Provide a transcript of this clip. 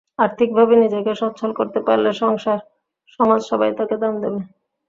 আর্থিকভাবে নিজেকে সচ্ছল করতে পারলে সংসার, সমাজ সবাই তাঁকে দাম দেবে।